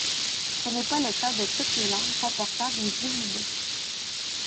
Ce n'est pas le cas de toutes les langues comportant des géminées.